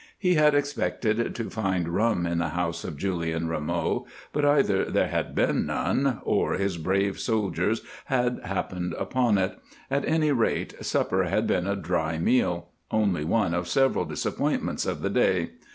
He had expected to find rum in the house of Julien Rameau, but either there had been none or his brave soldiers had happened upon it; at any rate, supper had been a dry meal only one of several disappointments of the day.